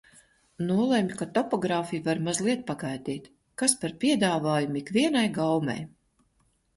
Nolemju, ka topogrāfija var mazliet pagaidīt. Kas par piedāvājumu ikvienai gaumei!